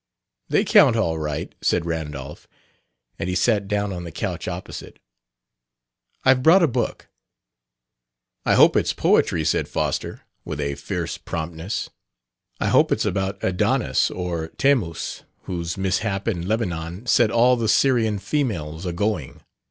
"They count all right," said Randolph; and he sat down on the couch opposite. "I've brought a book." "I hope it's poetry!" said Foster, with a fierce promptness. "I hope it's about Adonis, or Thammuz, whose mishap 'in Lebanon' set all the Syrian females a going.